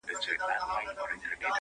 • خو اسیر سي په پنجو کي د بازانو -